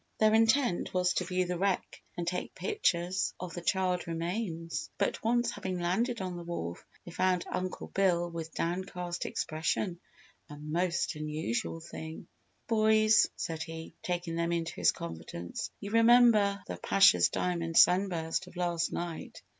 Their intent was to view the wreck and take pictures of the charred remains, but once having landed on the wharf they found Uncle Bill with downcast expression a most unusual thing. "Boys," said he, taking them into his confidence, "you remember the Pasha's diamond sunburst of last night?"